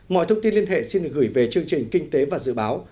mọi thông tin liên hệ xin được gửi về chương trình kinh tế và dự báo